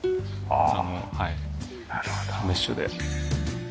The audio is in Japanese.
あのメッシュで。